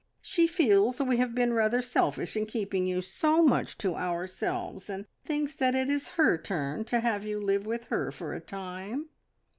She feels we have been rather selfish in keeping you so much to ourselves, and thinks that it is her turn to have you to live with her for a time.